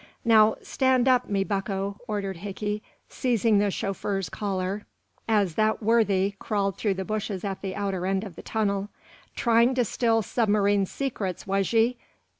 "Now, stand up, me bucko," ordered Hickey, seizing the chauffeur's collar as that worthy crawled through the bushes at the outer end of the tunnel. "Tryin' to steal submarine secrets, was ye?